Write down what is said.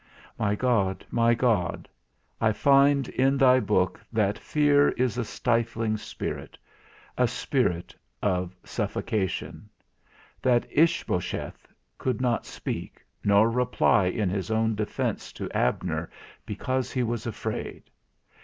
My God, my God, I find in thy book that fear is a stifling spirit, a spirit of suffocation; that Ishbosheth could not speak, nor reply in his own defence to Abner, because he was afraid.